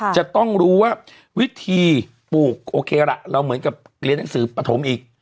จะต้องรู้ว่าวิธีปลูกโอเคล่ะเราเหมือนกับเรียนหนังสือปฐมอีก